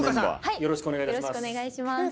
よろしくお願いします。